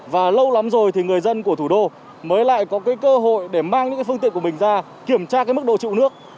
và lâu lắm rồi thì người dân của thủ đô mới lại có cơ hội để mang những phương tiện của mình ra kiểm tra mức độ trịu nước